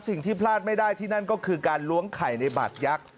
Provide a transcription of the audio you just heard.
สิ่งที่พลาดไม่ได้ที่นั่นก็คือการล้วงไข่ในบาดยักษ์